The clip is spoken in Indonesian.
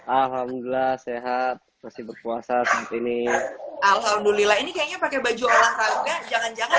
alhamdulillah sehat masih berpuasa saat ini alhamdulillah ini kayaknya pakai baju olahraga jangan jangan